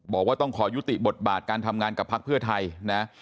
บอกว่าต้องขอยุติบทบาทการทำงานกับพักเพื่อไทยนะ